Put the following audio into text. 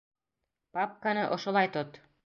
Папканы ошолай тот.